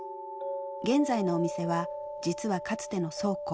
現在のお店は実はかつての倉庫。